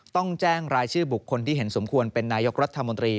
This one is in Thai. ต้องแจ้งรายชื่อบุคคลที่เห็นสมควรเป็นนายกรัฐมนตรี